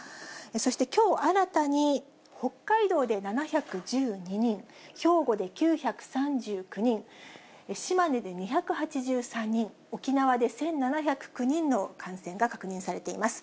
そしてきょう新たに、北海道で７１２人、兵庫で９３９人、島根で２８３人、沖縄で１７０９人の感染が確認されています。